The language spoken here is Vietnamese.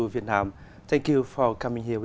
với công ty lớn nhất